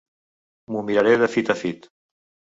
M'ho miraré de fit a fit.